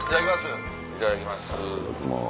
いただきます。